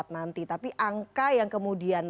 nanti tapi angka yang kemudian